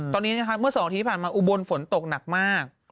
ตอนนี้นะคะเมื่อ๒ทีที่ผ่านมาอุบลฝนตกหนักมาก